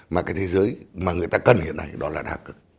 mà cái thế giới mà người ta cần hiện nay đó là đa cực